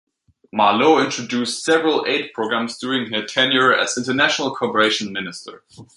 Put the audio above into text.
Marleau introduced several aid programs during her tenure as International Cooperation Minister.